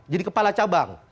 jadi kepala cabang